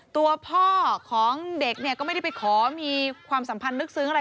ตัวพ่อของเด็กเนี่ยก็ไม่ได้ไปขอมีความสัมพันธ์ลึกซึ้งอะไร